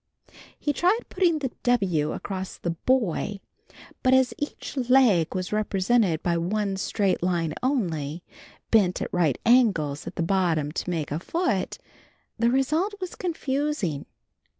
He tried putting the W across the boy, but as each leg was represented by one straight line only, bent at right angles at the bottom to make a foot, the result was confusing.